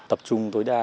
tập trung tối đa